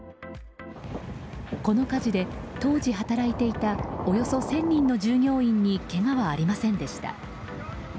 この火事で、当時働いていたおよそ１０００人の従業員にけがはありませんでした。